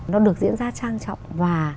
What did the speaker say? nó được diễn ra trang trọng và